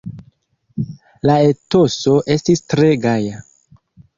La etoso estis tre gaja.